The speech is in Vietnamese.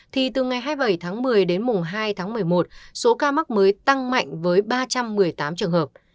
thì từ ngày hai mươi bảy tháng một mươi đến mùng hai tháng một mươi một số ca mắc mới tăng mạnh với ba trăm một mươi tám trường hợp